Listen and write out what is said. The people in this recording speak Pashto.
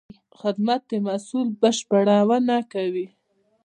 خدمت د محصول بشپړونه کوي.